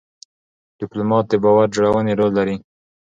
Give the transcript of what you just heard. ډيپلومات د باور جوړونې رول لري.